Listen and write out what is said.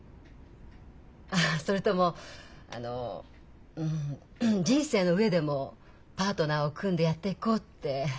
あっそれともあの人生の上でもパートナーを組んでやっていこうって考えてるのかしら？